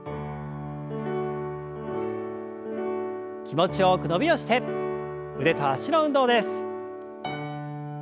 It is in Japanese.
気持ちよく伸びをして腕と脚の運動です。